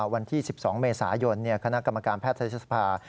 วันที่๑๒เมษายนคณะกรรมการแพทยศภา